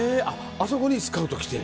あそこにスカウト来て？